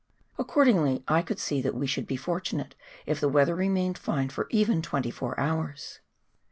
Accordingly I could see that we should be fortunate if the weather remained fine for even twenty four hours.